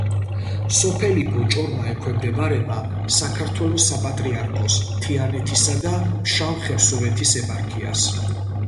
სოფელი ბოჭორმა ექვემდებარება საქართველოს საპატრიარქოს თიანეთისა და ფშავ-ხევსურეთის ეპარქიას.